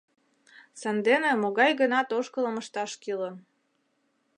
Сандене могай-гынат ошкылым ышташ кӱлын.